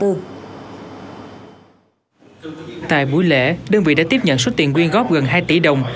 tại buổi lễ đơn vị đã tiếp nhận số tiền quyên góp gần hai tỷ đồng